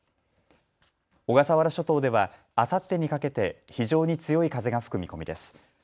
小笠原諸島ではあさってにかけて非常に強い風が吹く見込みです。